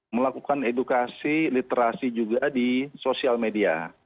melakukan edukasi literasi juga di sosial media